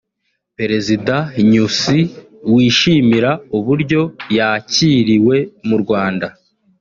Perezida Nyusi wishimira uburyo yakiriwe mu Rwanda